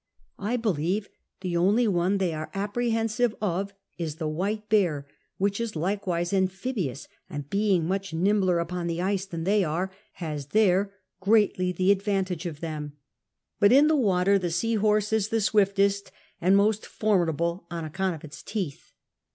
I believe the only one they ai*e apprehensive of is the white bear, M'hich is like wise amphibious ; and being much nimbler upon the ice then they are, has there greatly the advantage of them ; but in the water the sea horse is the swiftest and most for midable on account of its teeth.